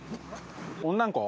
・女の子？